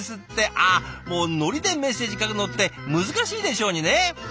ああもうのりでメッセージ書くのって難しいでしょうにね！